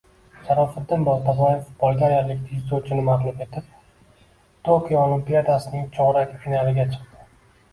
Sharofiddin Boltaboyev bolgariyalik dzyudochini mag‘lub etib, Tokio Olimpiadasining chorak finaliga chiqdi